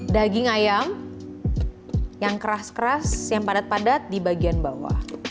daging ayam yang keras keras yang padat padat di bagian bawah